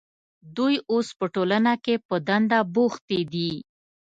دوی اوس په ټولنه کې په دنده بوختې دي.